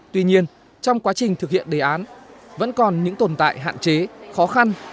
tuy nhiên trong quá trình thực hiện đề án vẫn còn những tồn tại hạn chế khó khăn